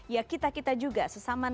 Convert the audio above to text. yang membuat proses demikian